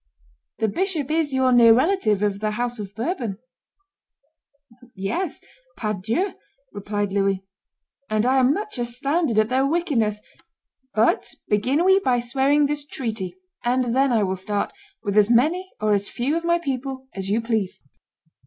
The bishop is your near relative, of the house of Bourbon." "Yes, Padues Dieu," replied Louis, "and I am much astounded at their wickedness. But begin we by swearing this treaty; and then I will start, with as many or as few of my people as you please."